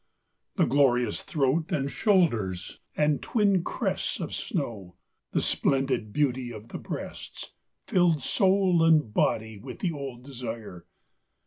II The glorious throat and shoulders and, twin crests Of snow, the splendid beauty of the breasts, Filled soul and body with the old desire.